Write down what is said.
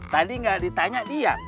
tadi gak ditanya diam